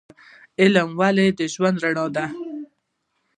علم ولې د ژوند رڼا ده؟